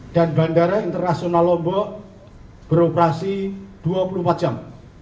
dan bandara internasional lombok beroperasi dua puluh empat jam